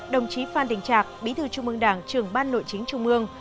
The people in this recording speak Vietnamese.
đồng chí phan đình trạc bí thư trung ương đảng trường ban nội chính trung ương